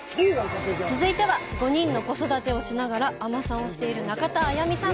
続いては、５人の子育てをしながら海女さんをしている中田文美さん。